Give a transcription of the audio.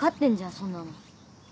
そんなの。